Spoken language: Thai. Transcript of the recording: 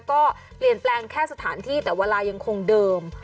ก็เปลี่ยนแปลงแค่สถานที่แต่เวลายังคงเดิม